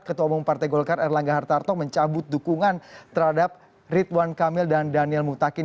ketua umum partai golkar erlangga hartarto mencabut dukungan terhadap ridwan kamil dan daniel mutakin